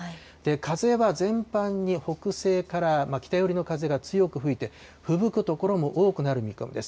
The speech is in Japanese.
風は全般に北西から北寄りの風が強く吹いて、ふぶく所も多くなる見込みです。